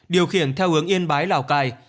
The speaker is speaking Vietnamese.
điều khiển theo hướng yên bái lào cai